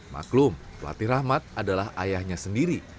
maklum pelatih rahmat adalah ayahnya sendiri